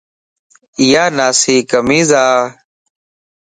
اِيا ناسي کميص ا